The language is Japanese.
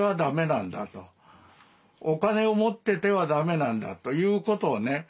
お金を持っててはだめなんだということをね